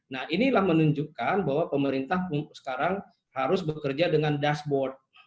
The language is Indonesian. nah inilah menunjukkan bahwa pemerintah sekarang harus bekerja dengan dashboard